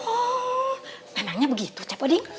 oh memangnya begitu cep odin